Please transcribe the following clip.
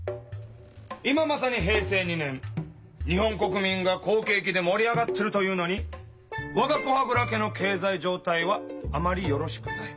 今まさに平成２年日本国民が好景気で盛り上がってるというのにわが古波蔵家の経済状態はあまりよろしくない。